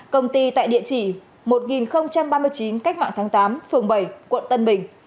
công ty tại địa chỉ một nghìn ba mươi chín cách mạng tháng tám phường bảy quận tân bình